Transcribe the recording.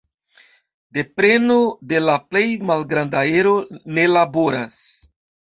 Do preno de la plej malgranda ero ne laboras.